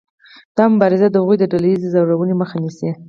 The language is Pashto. دا مبارزه د هغوی د ډله ایزې ځورونې مخه نیسي.